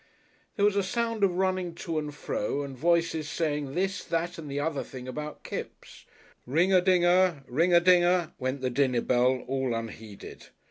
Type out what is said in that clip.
There was a sound of running to and fro and voices saying this, that and the other thing about Kipps. Ring a dinger, ring a dinger went the dinner bell all unheeded.